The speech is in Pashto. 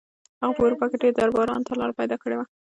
هغه په اروپا کې ډېرو دربارونو ته لاره پیدا کړې وه.